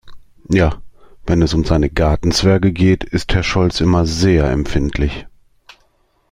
Ja, wenn es um seine Gartenzwerge geht, ist Herr Scholz immer sehr empfindlich.